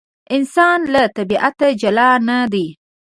انسان له طبیعته جلا نه دی.